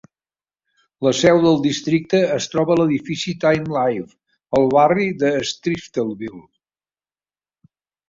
La seu del districte es troba a l'edifici Time-Life, al barri de Streeterville.